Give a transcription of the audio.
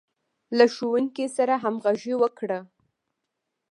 له ښوونکي سره همغږي وکړه.